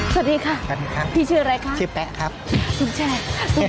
สวัสดีค่ะพี่ชื่ออะไรคะสวัสดีค่ะสวัสดีค่ะพี่ชื่ออะไรคะ